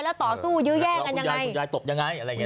แล้วต่อสู้ยื้อแยกกันยังไงคุณยายคุณยายตบยังไงอะไรอย่างเงี้ย